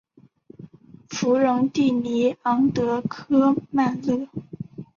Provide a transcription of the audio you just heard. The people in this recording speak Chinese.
弗龙蒂尼昂德科曼热。